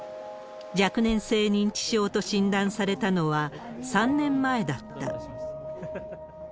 若年性認知症と診断されたのは３年前だった。